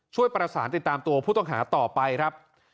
ช่วยประสานติดตามตัวผู้ต้องหาต่อไปครับ